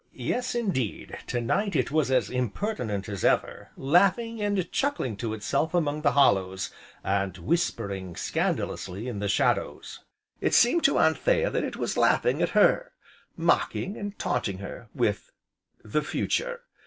Yes, indeed to night it was as impertinent as ever, laughing, and chuckling to itself among the hollows, and whispering scandalously in the shadows. It seemed to Anthea that it was laughing at her, mocking, and taunting her with the future.